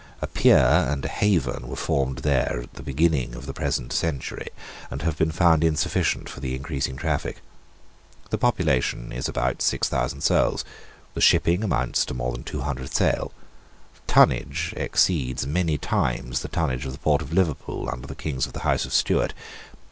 A pier and a haven were formed there at the beginning of the present century, but have been found insufficient for the increasing traffic. The population is about six thousand souls. The shipping amounts to more than two hundred sail. The tonnage exceeds many times the tonnage of the port of Liverpool under the Kings of the House of Stuart.